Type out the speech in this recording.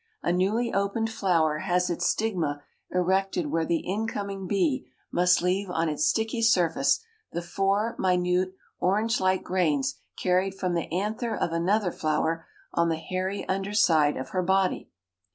A newly opened flower has its stigma erected where the incoming bee must leave on its sticky surface the four minute orange like grains carried from the anther of another flower on the hairy underside of her body.